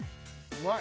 うまい。